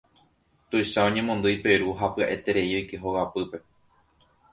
Tuicha oñemondýi Peru ha pya'eterei oike hogapýpe.